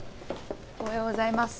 おはようございます。